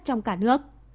trong cả nước